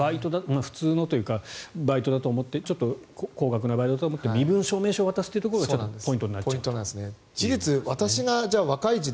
普通のというかバイトだと思ってちょっと高額のバイトだと思って身分証明書を渡すところがポイントになると。